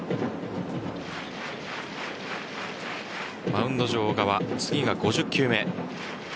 マウンド上、小川次が５０球目。